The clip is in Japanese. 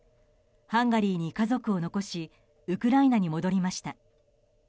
ハンガリーに家族を残しウクライナに戻りました。